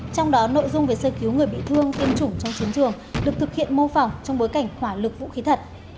trong đó nội dung về sơ cứu người bị thương tiêm chủng trong chiến trường được thực hiện mô phỏng trong bối cảnh hỏa lực vũ khí thật